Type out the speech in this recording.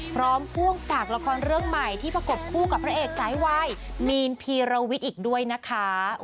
พ่วงฝากละครเรื่องใหม่ที่ประกบคู่กับพระเอกสายวายมีนพีรวิทย์อีกด้วยนะคะ